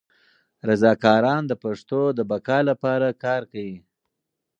رضاکاران د پښتو د بقا لپاره کار کوي.